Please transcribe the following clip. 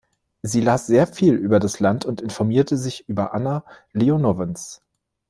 Sie las sehr viel über das Land und informierte sich über Anna Leonowens.